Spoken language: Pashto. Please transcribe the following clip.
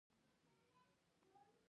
د تسوانا سیاسي بنسټونو مشارکت تشویق کړ.